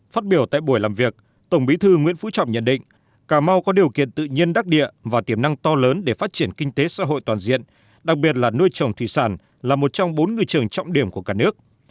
phát biểu tại buổi làm việc tổng bí thư nguyễn phú trọng nhận định cà mau có điều kiện tự nhiên đắc địa và tiềm năng to lớn để phát triển kinh tế xã hội toàn diện đặc biệt là nuôi trồng thủy sản là một trong bốn ngư trường trọng điểm của cả nước